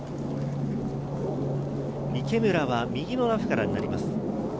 池村は右のラフからになります。